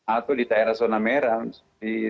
atau di daerah zona merah